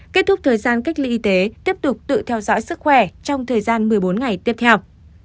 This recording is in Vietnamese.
kết thúc thời gian cách ly y tế tiếp tục tự theo dõi sức khỏe trong thời gian một mươi bốn ngày tiếp theo